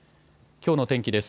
きょうの天気です。